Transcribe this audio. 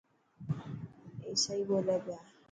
اي سئي ٻولي پيا.